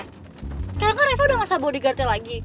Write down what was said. sekarang kan reva udah gak sabo di gartel lagi